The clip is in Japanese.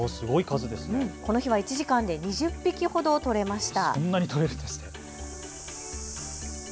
この日は１時間で２０匹ほど取れました。